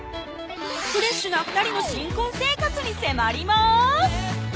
フレッシュな２人の新婚生活に迫ります！